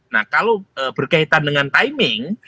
nah kalau berkaitan dengan timing